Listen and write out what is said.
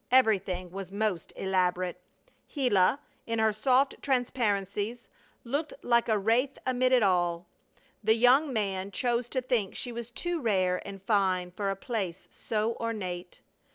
Everything was most elaborate. Gila, in her soft transparencies, looked like a wraith amid it all. The young man chose to think she was too rare and fine for a place so ornate.